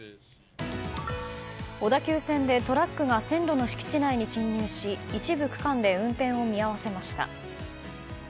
小田急線でトラックが線路の敷地内に進入し一部区間で運転を見合わせました。